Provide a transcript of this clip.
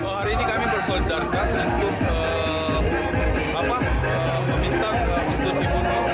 hari ini kami bersolidarkas untuk meminta untuk ibu nuril